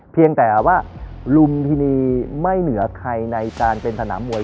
เพียงแต่ว่าลุมพินีไม่เหนือใครในการเป็นสนามมวย